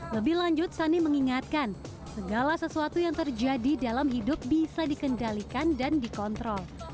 lebih lanjut sani mengingatkan segala sesuatu yang terjadi dalam hidup bisa dikendalikan dan dikontrol